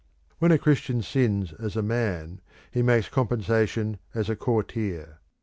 When a Christian sins as a man, he makes compensation as a courtier.